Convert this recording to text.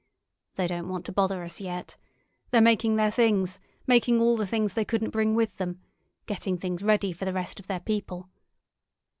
They don't want to bother us yet. They're making their things—making all the things they couldn't bring with them, getting things ready for the rest of their people.